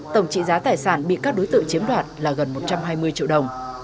tổng trị giá tài sản bị các đối tượng chiếm đoạt là gần một trăm hai mươi triệu đồng